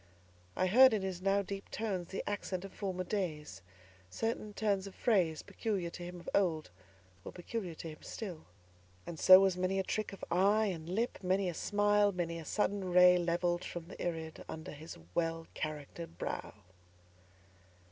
I heard in his now deep tones the accent of former days. Certain turns of phrase, peculiar to him of old, were peculiar to him still; and so was many a trick of eye and lip, many a smile, many a sudden ray levelled from the irid, under his well charactered brow.